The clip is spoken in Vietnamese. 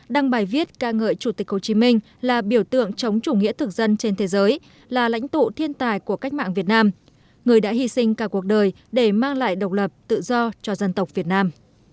đăng bài viết ca ngợi chủ tịch hồ chí minh là biểu tượng chống chủ nghĩa thực dân trên thế giới là lãnh tụ thiên tài của cách mạng việt nam người đã hy sinh cả cuộc đời để mang lại độc lập tự do cho dân tộc việt nam